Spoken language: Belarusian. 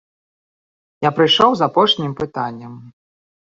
Я прыйшоў з апошнім пытаннем.